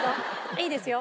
いいですよ。